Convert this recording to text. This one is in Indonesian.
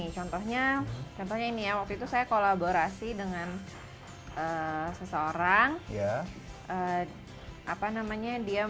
contohnya contohnya ini ya waktu itu saya kolaborasi dengan seseorang